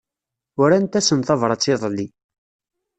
Urant-asen tabrat iḍelli.